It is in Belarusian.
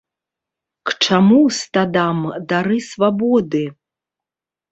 К чаму стадам дары свабоды?